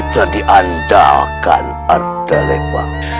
jadi anda akan ada lebar